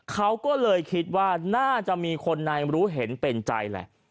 เขาก็เลยคิดว่าน่าจะมีคนในรู้เห็นเป็นใจแหละ